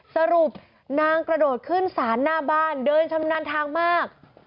สรุปนางกระโดดขึ้นศาลหน้าบ้านเดินชำนาญทางมาก